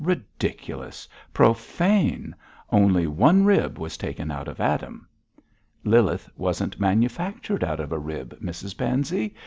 Ridiculous! Profane! Only one rib was taken out of Adam!' 'Lilith wasn't manufactured out of a rib, Mrs Pansey.